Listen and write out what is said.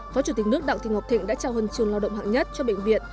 phó chủ tịch nước đặng thị ngọc thịnh đã trao hân trường lao động hạng nhất cho bệnh viện